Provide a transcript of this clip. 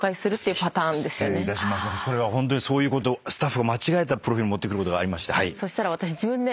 それはホントにそういうことスタッフが間違えたプロフィル持ってくることがありまして。